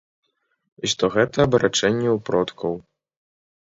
І што гэта абарачэнне ў продкаў.